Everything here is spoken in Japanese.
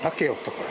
これ。